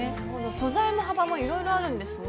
素材も幅もいろいろあるんですね。